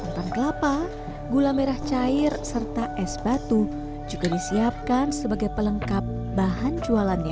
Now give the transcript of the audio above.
utan kelapa gula merah cair serta es batu juga disiapkan sebagai pelengkap bahan jualannya